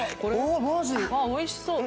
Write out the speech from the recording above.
おいしそう。